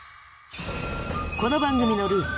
この番組のルーツ